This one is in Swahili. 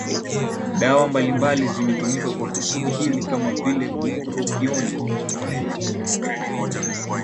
Dawa mbalimbali zimetumika kwa kusudi hili kama vile bupropioni